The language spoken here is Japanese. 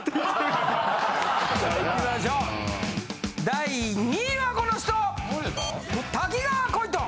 第２位はこの人！